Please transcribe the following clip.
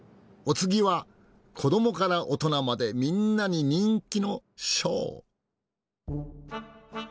お次は子どもから大人までみんなに人気のショー。